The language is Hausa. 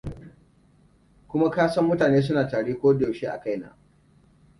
kuma ka san mutane suna tari ko da yaushe a kai na